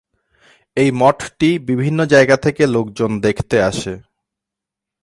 এই মঠটি বিভিন্ন জায়গা থেকে লোকজন দেখতে আসে।